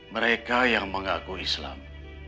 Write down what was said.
mereka yang mengaku islam